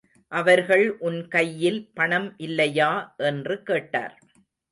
அவர்கள் உன் கையில் பணம் இல்லையா என்று கேட்டார்.